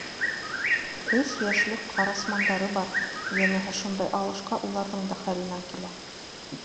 Өс йәшлек ҡарасмандары бар, йәнәһе, шундай алышҡа уларҙың да хәленән килә.